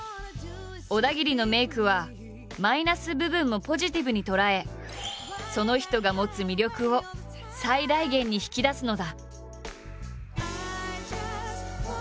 小田切のメイクはマイナス部分もポジティブに捉えその人が持つ魅力を最大限に引き出すのだ。